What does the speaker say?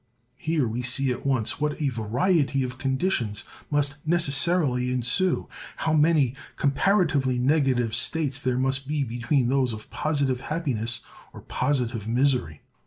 Here we see at once what a variety of conditions must necessarily ensue—how many comparatively negative states there must be between those of positive happiness or positive misery!